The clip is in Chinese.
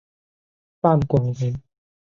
范广人。